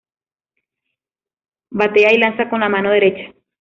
Batea y lanza con la mano derecha.